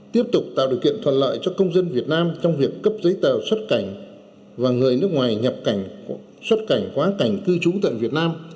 tiếp tục tạo điều kiện thuận lợi cho công dân việt nam trong việc cấp giấy tờ xuất cảnh và người nước ngoài nhập cảnh xuất cảnh quá cảnh cư trú tận việt nam